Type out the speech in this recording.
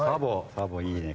サボいいね。